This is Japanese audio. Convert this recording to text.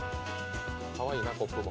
かわいいな、コップも。